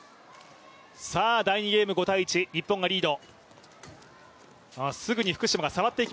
第２ゲーム、５−１日本がリード。